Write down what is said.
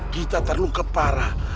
kita setengah terparah